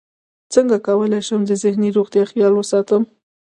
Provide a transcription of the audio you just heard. څنګه کولی شم د ذهني روغتیا خیال وساتم